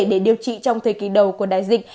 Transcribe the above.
để điều trị trong thời kỳ đầu của đại dịch